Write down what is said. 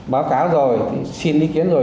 báo cáo rồi xin ý kiến rồi